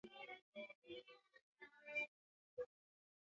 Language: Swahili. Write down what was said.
agizo lilipewa kwanza kabisa kuokoa abiria